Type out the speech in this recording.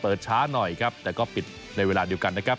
ช้าหน่อยครับแต่ก็ปิดในเวลาเดียวกันนะครับ